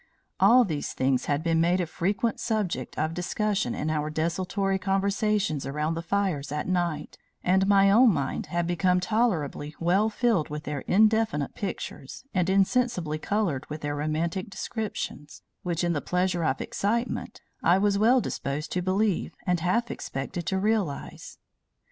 All these things had been made a frequent subject of discussion in our desultory conversations around the fires at night; and my own mind had become tolerably well filled with their indefinite pictures, and insensibly colored with their romantic descriptions, which, in the pleasure of excitement, I was well disposed to believe, and half expected to realize.